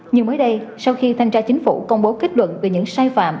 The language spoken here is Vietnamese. nhưng mới đây sau khi thanh tra chính phủ công bố kết luận về những sai phạm